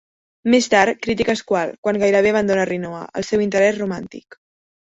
Més tard, critica Squall quan gairebé abandona Rinoa, el seu interès romàntic.